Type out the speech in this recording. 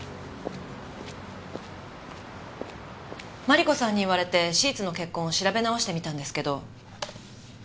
マリコさんに言われてシーツの血痕を調べ直してみたんですけど。